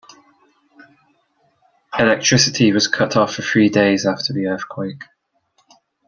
Electricity was cut off for three days after the earthquake.